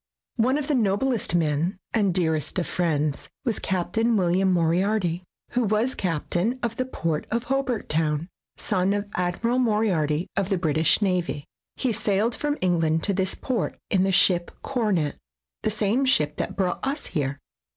One of the noblest of men and dearest of friends was Captain "William Moriarity, who was captain of the port of Hobart Town, son of Admiral Moriarity of the British Navy. He sailed from England to this port in the ship Coronet, the same ship that brought us here.